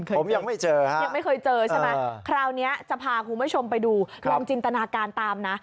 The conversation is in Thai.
ผมยังไม่เจอครับคราวนี้จะพาคุณผู้ชมไปดูลองจินตนาการตามนะ